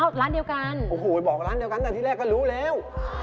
ร้านเดียวกันโอ้โหบอกร้านเดียวกันแต่ที่แรกก็รู้แล้ว